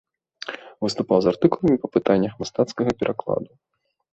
Выступаў з артыкуламі па пытаннях мастацкага перакладу.